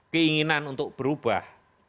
keinginan untuk berubah